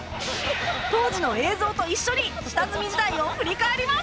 当時の映像と一緒に下積み時代を振り返ります